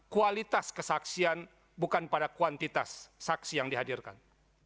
kualitas kesaksian bukan pada kuantitas saksi yang dihadirkan